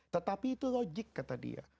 tetapi itu logik kata dia